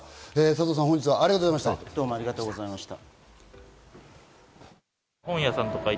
佐藤さん、本日はありがとうございました。